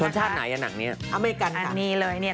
ชนชาติไหนอันหนังนี้อเมริกันค่ะอันนี้เลยเนี่ย